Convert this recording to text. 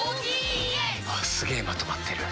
すげえまとまってる。